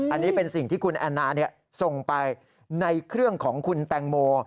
อันนี้เป็นสิ่งที่คุณแอนนาส่งไปในเครื่องของคุณแตงโม